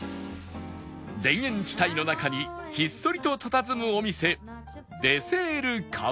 田園地帯の中にひっそりとたたずむお店